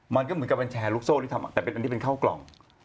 มันก็เหมือนกับเป็นแชร์ลูกโซ่ที่ทำแต่เป็นอันนี้เป็นข้าวกล่อง